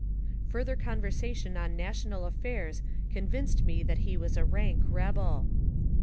Further conversation on national affairs convinced me that he was a rank rebel.